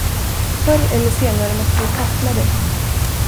Förr eller senare måste du tackla det.